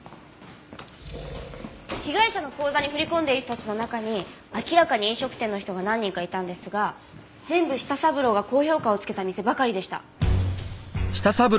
被害者の口座に振り込んでいる人たちの中に明らかに飲食店の人が何人かいたんですが全部舌三郎が高評価を付けた店ばかりでした。